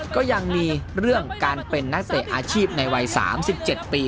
ก็ยังมีเรื่องการเป็นนักเตะอาชีพในวัย๓๗ปี